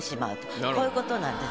こういうことなんです。